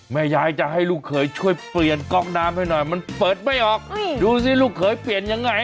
แม่ยายจะให้ลูกเขยช่วยเปลี่ยนก๊อกน้ำให้หน่อยมันเปิดไม่ออกดูสิลูกเขยเปลี่ยนยังไง